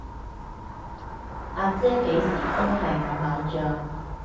阿姐幾時都係我偶像